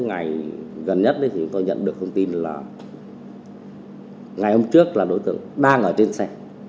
ngày gần nhất thì chúng tôi nhận được thông tin là ngày hôm trước là đối tượng đang ở trên xe